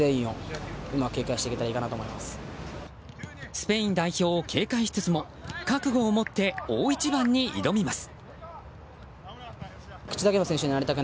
スペイン代表を警戒しつつも覚悟をもって大一番に挑みます。